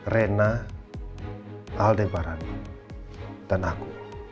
rena aldebaran dan aku